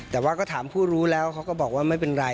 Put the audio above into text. แต่ว่าก็ถามผู้รู้แล้วเขาก็บอกว่าไม่เป็นไร